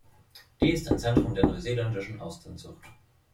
Die ist ein Zentrum der neuseeländischen Austernzucht.